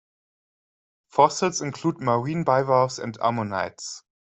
Fossils include marine bivalves and ammonites.